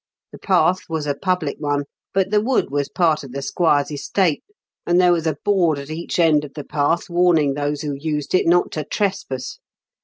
The path was a public one, but the wood was part of the' squire's estate, and there was a board at each end of the path warning those who used it not to trespass.